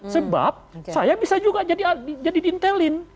sebab saya bisa juga jadi diintelin